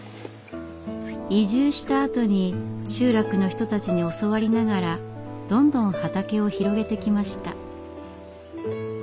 移住したあとに集落の人たちに教わりながらどんどん畑を広げてきました。